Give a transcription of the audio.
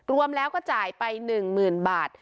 รวมแล้วก็จ่ายไป๑๐๐๐บาท